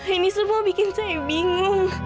ini semua bikin saya bingung